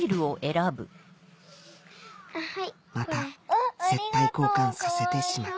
また接待交換させてしまった